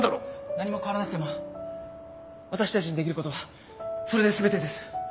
何も変わらなくてもわたしたちにできることはそれで全てです。